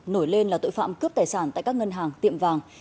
nổi lên là tội phạm cướp tài sản tại các ngân hàng tiệm vàng